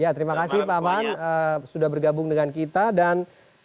ya terima kasih pak aman sudah bergabung dengan kita dan